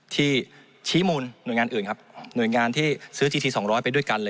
ที่ชี้มูลหน่วยงานอื่นครับหน่วยงานที่ซื้อทีที๒๐๐ไปด้วยกันเลย